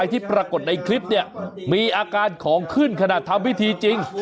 ที่ปรากฏในคลิปเนี่ยมีอาการของขึ้นขนาดทำพิธีจริง